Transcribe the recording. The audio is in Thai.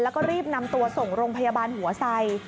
และรีบนำตัวส่งลงพยาบาลหัวใส